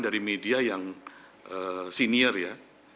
dari media yang senior ya